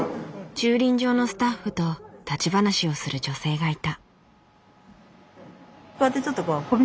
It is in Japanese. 駐輪場のスタッフと立ち話をする女性がいた。